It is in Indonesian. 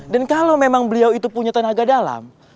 dan kalau memang beliau itu punya tenaga dalam